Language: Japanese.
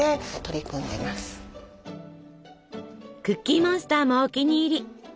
クッキーモンスターもお気に入り！